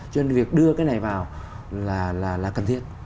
cho nên việc đưa cái này vào là cần thiết